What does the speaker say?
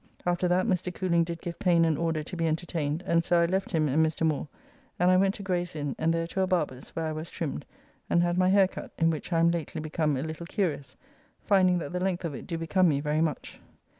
After that Mr. Cooling did give Payne an order to be entertained, and so I left him and Mr. Moore, and I went to Graye's Inne, and there to a barber's, where I was trimmed, and had my haire cut, in which I am lately become a little curious, finding that the length of it do become me very much.